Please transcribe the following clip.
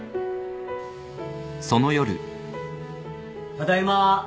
・ただいま。